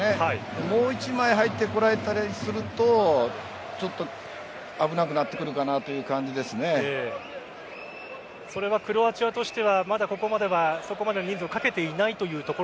もう１枚入ってこられたりするとちょっと危なくなってくるかなそれはクロアチアとしてはまだここまでは、そこまで人数をかけていない